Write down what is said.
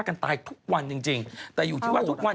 มันเริ่มโหดร้ายขึ้นโหดร้ายขึ้นกันทุกวัน